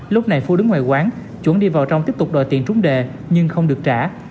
lúc này phu đứng ngoài quán chuẩn đi vào trong tiếp tục đòi tiền trúng đề nhưng không được trả